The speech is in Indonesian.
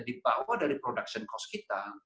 dibawah dari harga produksi kita